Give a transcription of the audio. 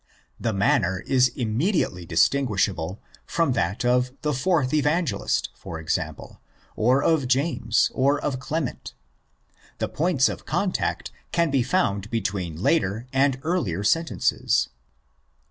The manner is immediately distin guishable from that of the fourth Evangelist, for example, or of James, or of Clement. And points of contact can be found between later and earlier sentences.